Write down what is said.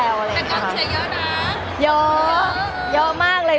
มันเป็นเรื่องน่ารักที่เวลาเจอกันเราต้องแซวอะไรอย่างเงี้ย